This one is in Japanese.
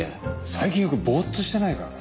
最近よくボーッとしてないか？